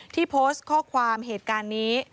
ที่โพสต์ข้อความเหตุการณ์นี้